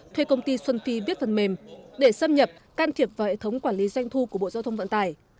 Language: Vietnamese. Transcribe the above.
thuê công ty xuân phi viết phần mềm để xâm nhập can thiệp vào hệ thống quản lý doanh thu của bộ giao thông vận tải